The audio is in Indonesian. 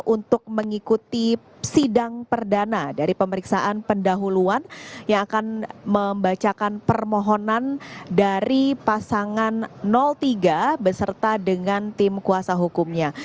untuk mengikuti sidang perdana dari pemeriksaan pendahuluan yang akan membacakan permohonan dari pasangan tiga beserta dengan tim kuasa hukumnya